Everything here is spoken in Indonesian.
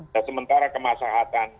dan sementara kemaslahatan